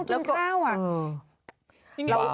เหมือนไม่ยินต้องเข้ากินข้าวอ่ะ